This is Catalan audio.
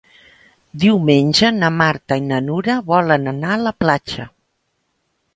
Diumenge na Marta i na Nura volen anar a la platja.